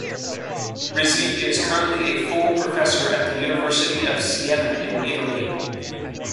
Rizzi is currently a full professor at the University of Siena in Italy.